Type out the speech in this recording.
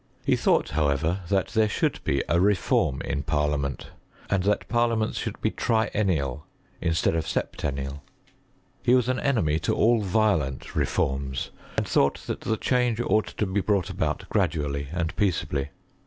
He thought, however, that there should be a reform in parliament ; and that parliaments should be triennial instead of septennial. He was an enemy to all violent reforms, and thought that the change ought to be brought about gradually and peaceably.